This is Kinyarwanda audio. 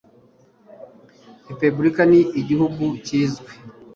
repubulika ni igihugu kizwi